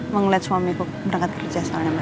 mau ngeliat suamiku berangkat kerja soalnya